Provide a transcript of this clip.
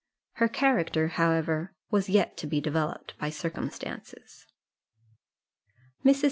Her character, however, was yet to be developed by circumstances. Mrs.